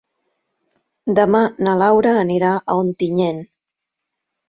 Demà na Laura anirà a Ontinyent.